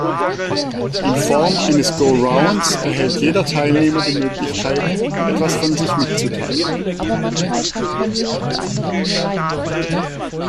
In Form eines Go-Rounds erhält jeder Teilnehmer die Möglichkeit, etwas von sich mitzuteilen.